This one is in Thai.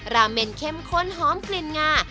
ราเมนเข้มข้นหอมกลิ่นงา